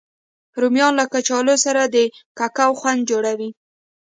رومیان له کچالو سره د کوکو خوند جوړوي